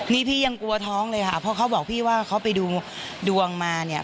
นี่พี่ยังกลัวท้องเลยค่ะเพราะเขาบอกพี่ว่าเขาไปดูดวงมาเนี่ย